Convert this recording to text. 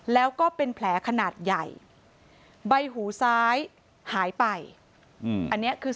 แล้วก็เป็นแผลขนาดใหญ่